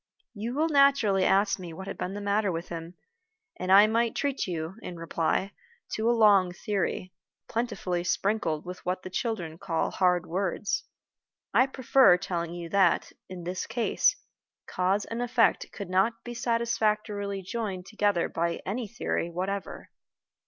You will naturally ask me what had been the matter with him, and I might treat you, in reply, to a long theory, plentifully sprinkled with what the children call hard words. I prefer telling you that, in this case, cause and effect could not be satisfactorily joined together by any theory whatever.